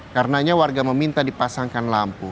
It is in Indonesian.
karenanya warga meminta dipasangkan lampu